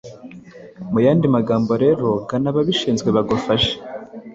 Mu yandi magambo rero gana ababishinzwe bagufashe